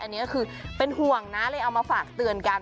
อันนี้ก็คือเป็นห่วงนะเลยเอามาฝากเตือนกัน